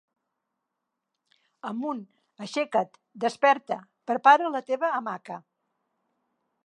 "Amunt, aixeca't, desperta, prepara la teva hamaca".